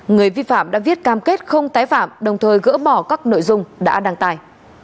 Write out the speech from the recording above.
người vi phạm đã viết cam kết không tái phạm đồng thời gỡ bỏ các nội dung đã đăng tải